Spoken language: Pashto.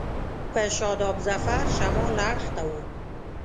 په شاداب ظفر شمال اړخ ته و.